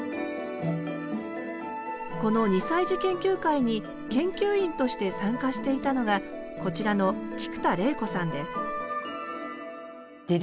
この２歳児研究会に研究員として参加していたのがこちらの菊田怜子さんです